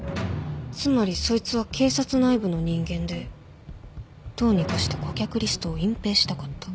つまりそいつは警察内部の人間でどうにかして顧客リストを隠蔽したかった。